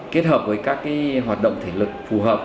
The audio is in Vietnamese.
kết hợp với các hoạt động thể lực phù hợp